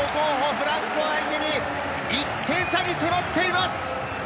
フランスを相手に１点差に迫っています！